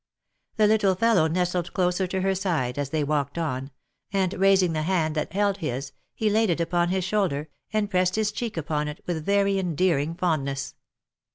The little fellow nestled closer to her side, as they walked on, and raising the hand that held his, he laid it upon his shoulder, and pressed his cheek upon it with very endearing fondness.